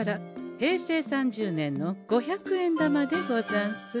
平成３０年の五百円玉でござんす。